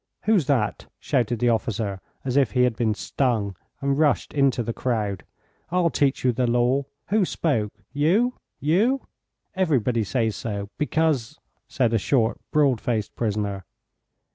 "Who's that?" shouted the officer as if he had been stung, and rushed into the crowd. "I'll teach you the law. Who spoke. You? You?" "Everybody says so, because " said a short, broad faced prisoner.